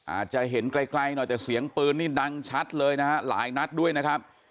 อาจจะเห็นไกลหน่อยแต่เสียงปืนนี่ดังชัดเลยนะฮะหลายนัดด้วยนะครับ